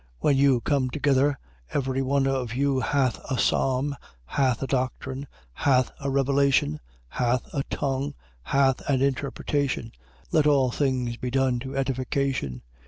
When you come together, every one of you hath a psalm, hath a doctrine, hath a revelation, hath a tongue, hath an interpretation: let all things be done to edification.